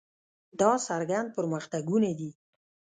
دا څرګند پرمختګونه دي.